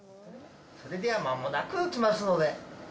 それでは間もなく来ますので。